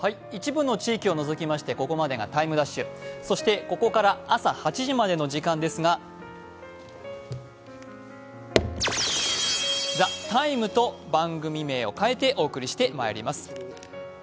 一部の地域を除きましてここまでが「ＴＩＭＥ’」そしてここから朝８時までの時間ですが、「ＴＨＥＴＩＭＥ’」と番組名を変えてお送りしてまいります。